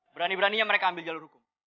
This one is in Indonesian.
berani beraninya mereka ambil jalur hukum